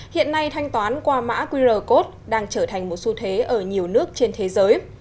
hiện nay thanh toán qua mã qr code đang trở thành một xu thế ở nhiều nước trên thế giới